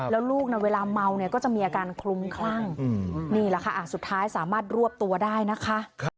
แล้วลูกเวลาเมาเนี่ยก็จะมีอาการคลุมคลั่งนี่แหละค่ะสุดท้ายสามารถรวบตัวได้นะคะ